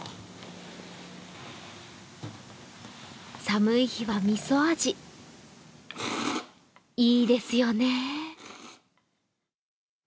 寒い日はみそ味、いいですよね。